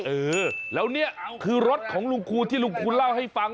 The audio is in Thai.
เออแล้วนี่คือรถของลุงคูณที่ลุงคูณเล่าให้ฟัง